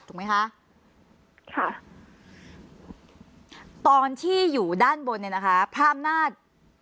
ถูกไหมคะค่ะตอนที่อยู่ด้านบนเนี่ยนะคะพระอำนาจ